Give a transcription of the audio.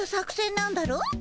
なんだい？